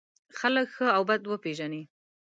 خلک ښه او بد وپېژني.